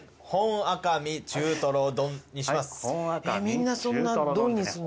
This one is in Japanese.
みんなそんな丼にすんの？